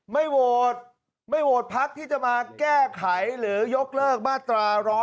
ไม่โหวดพักที่จะมาแก้ไขหรือยกเลิกมาตร๑๑๒